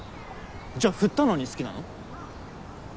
じゃあフッたのに好きなの？